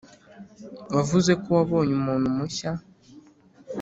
wavuze ko wabonye umuntu mushya.